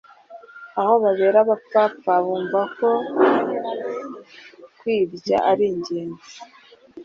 Aho babera abapfapfa bumva ko kwirya aringenzi